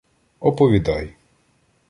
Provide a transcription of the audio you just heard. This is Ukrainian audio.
Оповідай.